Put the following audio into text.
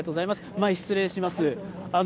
前、失礼します。